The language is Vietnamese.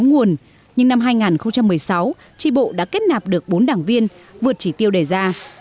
năm hai nghìn một mươi sáu tri bộ đã kết nạp được bốn đảng viên vượt chỉ tiêu đề ra